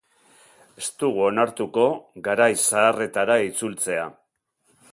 Ez dugu onartuko garai zaharretara itzultzea.